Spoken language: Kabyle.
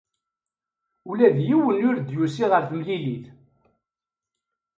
Ula d yiwen ur d-yusi ɣer temlilit.